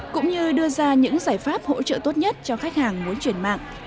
cũng như đưa ra những giải pháp hỗ trợ tốt nhất cho khách hàng muốn chuyển mạng